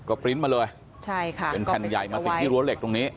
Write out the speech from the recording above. ก็ปริ้นต์มาเลยใช่ค่ะเป็นแผ่นใหญ่มาติดที่รั้วเหล็กตรงนี้